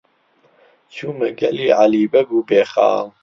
چوومە گەلی عەلی بەگ و بێخاڵ.